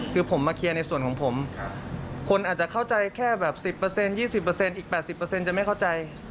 คือผมมาเคลียร์ในส่วนของผมคนอาจจะเข้าใจแค่แบบ๑๐๒๐อีก๘๐จะไม่เข้าใจ